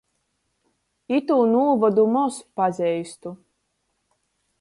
Itū nūvodu moz paziestu.